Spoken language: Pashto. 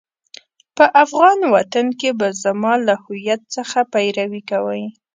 په افغان وطن کې به زما له هويت څخه پيروي کوئ.